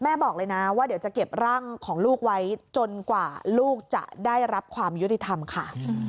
บอกเลยนะว่าเดี๋ยวจะเก็บร่างของลูกไว้จนกว่าลูกจะได้รับความยุติธรรมค่ะ